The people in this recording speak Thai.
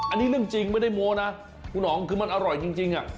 อันนี้เรื่องจริงไม่ได้โม้นะคุณอ๋องคือมันอร่อยจริง